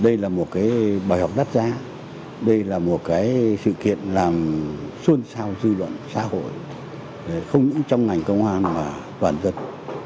đây là một bài học đắt giá đây là một sự kiện làm xuân sao dư luận xã hội không những trong ngành công an mà toàn dân